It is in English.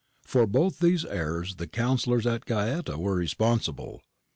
For both these errors the counsellors at Gaeta were responsible.